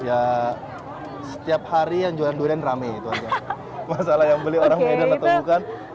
ya setiap hari yang jualan durian rame itu aja masalah yang beli orang medan atau bukan